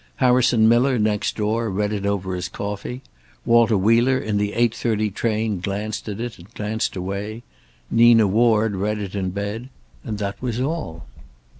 Harrison Miller, next door, read it over his coffee. Walter Wheeler in the eight thirty train glanced at it and glanced away. Nina Ward read it in bed. And that was all.